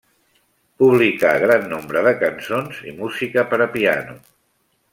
Publicà gran nombre de cançons i música per a piano.